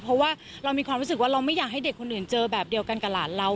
เพราะว่าเรามีความรู้สึกว่าเราไม่อยากให้เด็กคนอื่นเจอแบบเดียวกันกับหลานเรา